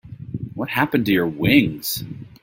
What happened to your wings?